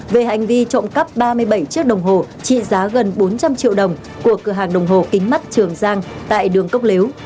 về hành vi trộm cắp ba mươi bảy chiếc đồng hồ trị giá gần bốn trăm linh triệu đồng của cửa hàng đồng hồ kính mắt trường giang tại đường cốc lếu